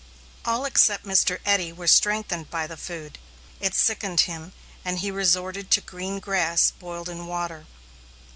All except Mr. Eddy were strengthened by the food. It sickened him, and he resorted to green grass boiled in water.